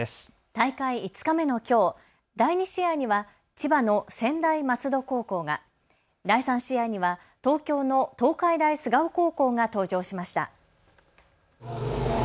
大会５日目のきょう、第２試合には千葉の専大松戸高校が、第３試合には東京の東海大菅生高校が登場しました。